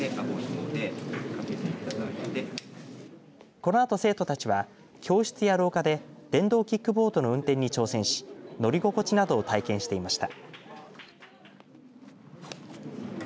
このあと生徒たちは教室や廊下で電動キックボードの運転に挑戦し乗り心地などを体験していました。